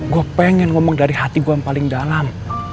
gue pengen ngomong dari hati gue yang paling dalam